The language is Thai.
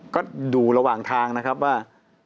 ก็อยู่ระหว่างทางนะครับว่า